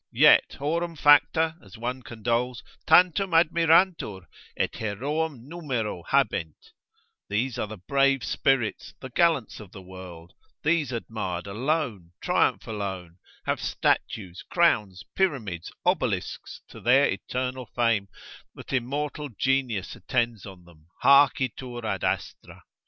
yet, horum facta (as one condoles) tantum admirantur, et heroum numero habent: these are the brave spirits, the gallants of the world, these admired alone, triumph alone, have statues, crowns, pyramids, obelisks to their eternal fame, that immortal genius attends on them, hac itur ad astra.